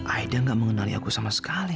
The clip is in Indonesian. aida gak mengenali aku sama sekali